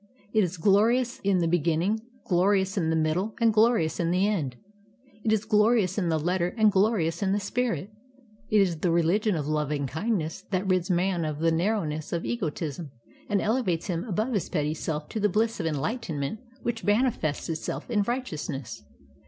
It is glorious in the be ginning, glorious in the middle, and glorious in the end. It is glorious in the letter and glorious in the spirit. It 51 INDIA is the religion of lo\'ing kindness that rids man of the narrowTiess of egotism and elevates him above his petty seH to the bHss of enlightenment which manifests itself in righteousness."